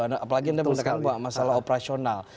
apalagi anda menekan masalah operasional